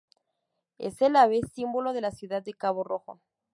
Es el ave símbolo de la ciudad de Cabo Rojo.